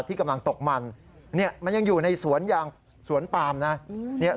ที่กำลังตกมันมันยังอยู่ในสวนปาล์มนะ